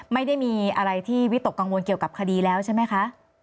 ไม่ได้มีอะไรที่วิตกกังวลเกี่ยวกับคดีแล้วใช่ไหมคะ